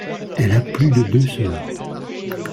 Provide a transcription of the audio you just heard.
Elle a plus de deux sœurs.